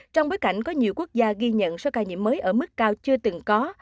trong bối cảnh có nhiều quốc gia ghi nhận số ca nhiễm mới ở mức cao chưa từng có